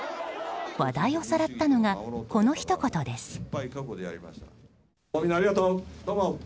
話題をさらったのがこのひと言です。